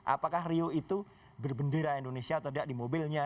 apakah rio itu berbendera indonesia atau tidak di mobilnya